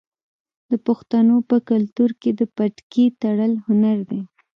د پښتنو په کلتور کې د پټکي تړل هنر دی.